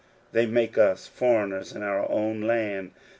They make us foreigners in our own land.